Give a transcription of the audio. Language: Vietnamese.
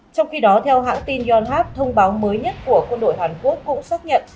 trong khi đó theo hãng tin yonhap thông báo mới nhất của quân đội hàn quốc cũng xác nhận